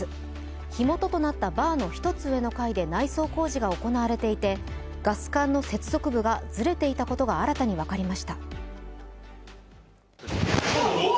火元となったバーの１つ上の階でガス管工事が行われていた影響でガス管の接続部がずれていたことが新たに分かりました。